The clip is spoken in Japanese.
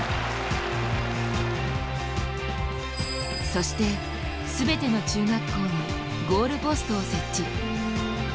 そして全ての中学校にゴールポストを設置。